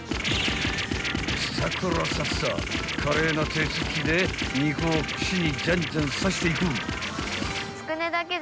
［すたこらさっさ華麗な手つきで肉を串にじゃんじゃん刺していく］